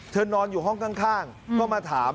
นอนอยู่ห้องข้างก็มาถาม